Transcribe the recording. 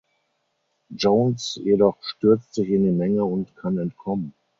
Jones jedoch stürzt sich in die Menge und kann entkommen.